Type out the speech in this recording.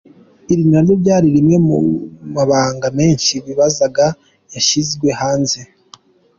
Iri naryo ryari rimwe mu mabanga benshi bibazaga yashyizwe hanze!.